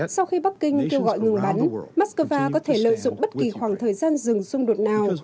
sau khi bắc kinh kêu gọi ngừng bắn mắc cơ va có thể lợi dụng bất kỳ khoảng thời gian dừng xung đột nào